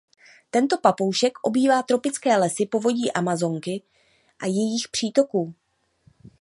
Tento papoušek obývá tropické lesy povodí Amazonky a jejích přítoků.